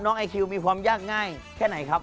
ไอคิวมีความยากง่ายแค่ไหนครับ